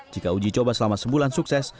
jika uji coba selama sebulan sukses